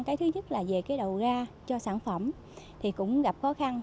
cái thứ nhất là về cái đầu ra cho sản phẩm thì cũng gặp khó khăn